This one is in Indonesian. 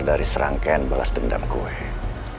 dari serangkaian belas tindakan